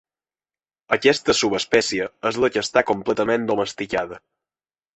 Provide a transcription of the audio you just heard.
Aquesta subespècie és la que està completament domesticada.